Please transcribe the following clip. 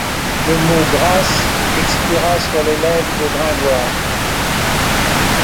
Le mot grâce expira sur les lèvres de Gringoire.